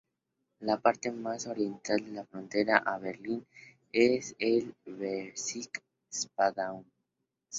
La parte más oriental de la frontera a Berlín es el Bezirk Spandau.